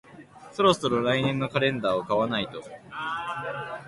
そろそろ来年のカレンダーを買わないと